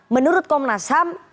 menurut komnas ham